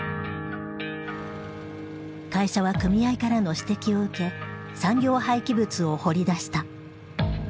会社は組合からの指摘を受け産業廃棄物を掘り出した。